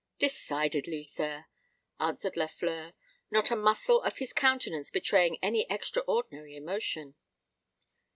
"Decidedly, sir," answered Lafleur, not a muscle of his countenance betraying any extraordinary emotion.